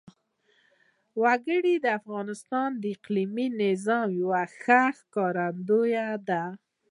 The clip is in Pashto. وګړي د افغانستان د اقلیمي نظام یوه ښه ښکارندوی ده.